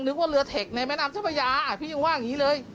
ว่าเรือเทคในแม่น้ำเจ้าพระยาพี่ยังว่าอย่างนี้เลย